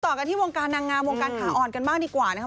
กันที่วงการนางงามวงการขาอ่อนกันบ้างดีกว่านะครับ